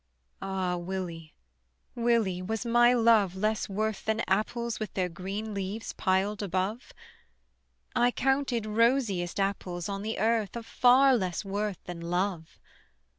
Ah, Willie, Willie, was my love less worth Than apples with their green leaves piled above? I counted rosiest apples on the earth Of far less worth than love.